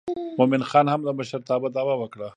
مومن خان هم د مشرتابه دعوه وکړه.